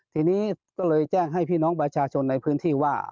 ทีนี้ก็เลยแจ้งให้พี่น้องประชาชนในพื้นที่ว่า